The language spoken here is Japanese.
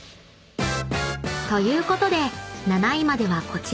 ［ということで７位まではこちらの結果に］